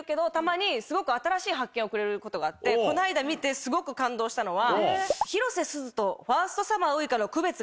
ことがあってこの間見てすごく感動したのは。